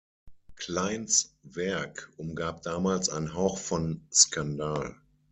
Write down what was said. Kleins Werk umgab damals ein Hauch von Skandal.